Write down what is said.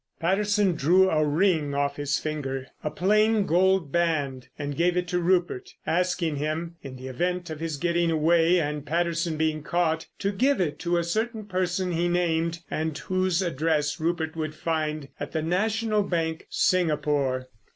Patterson drew a ring off his finger, a plain gold band, and gave it to Rupert, asking him (in the event of his getting away and Patterson being caught) to give it to a certain person he named and whose address Rupert would find at the National Bank, Singapore.